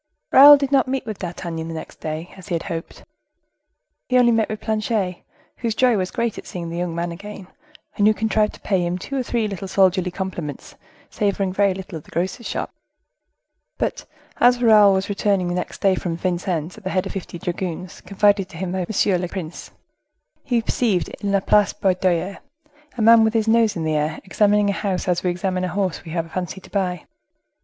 Raoul did not meet with D'Artagnan the next day, as he had hoped. He only met with Planchet, whose joy was great at seeing the young man again, and who contrived to pay him two or three little soldierly compliments, savoring very little of the grocer's shop. But as Raoul was returning the next day from Vincennes at the head of fifty dragoons confided to him by Monsieur le Prince, he perceived, in La Place Baudoyer, a man with his nose in the air, examining a house as we examine a horse we have a fancy to buy.